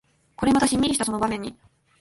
これまたシンミリしたその場面に